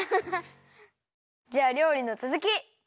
じゃありょうりのつづき！